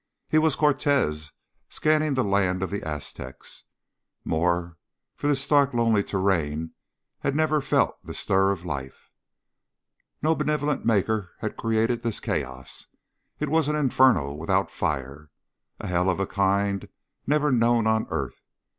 He was Cortez scanning the land of the Aztecs. More, for this stark lonely terrain had never felt the stir of life. No benevolent Maker had created this chaos. It was an inferno without fire a hell of a kind never known on earth.